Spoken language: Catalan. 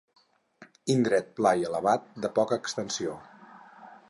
Indret pla i elevat de poca extensió.